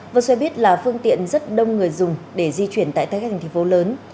và xe buýt là phương tiện rất đông người dùng để di chuyển tại tất thành phố lớn